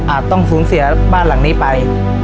ต้องสูญเสียบ้านหลังนี้ไป